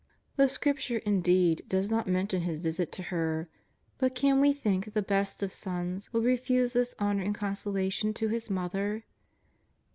The Scripture, indeed, does not mention His visit to her, but can we think that the best of sons would refuse this honour and consolation to His Mother?